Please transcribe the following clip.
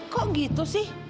kok gitu sih